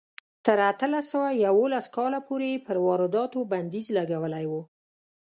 تر اتلس سوه یوولس کاله پورې یې پر وارداتو بندیز لګولی و.